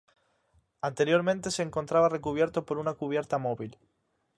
Anteriormente se encontraba recubierto por una cubierta móvil.